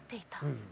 うん。